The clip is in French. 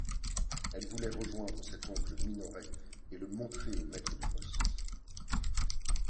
Elle voulait rejoindre cet oncle Minoret et le montrer au maître de poste.